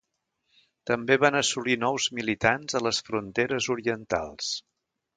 També van assolir nous militants a les fronteres orientals.